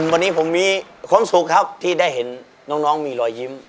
วันนี้ผมมีความสุขครับที่ได้เห็นน้องมีรอยยิ้ม